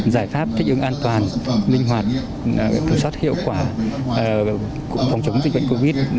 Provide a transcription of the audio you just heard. giải pháp thích ứng an toàn linh hoạt thử sát hiệu quả phòng chống dịch bệnh covid